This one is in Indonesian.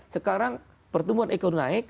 sekarang pertumbuhan ekonomi naik